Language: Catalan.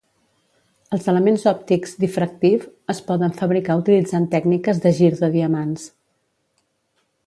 Els elements òptics diffractive es poden fabricar utilitzant tècniques de gir de diamants.